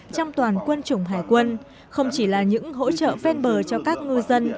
trong toàn quân chủng hải quân không chỉ là những hỗ trợ ven bờ cho các ngư dân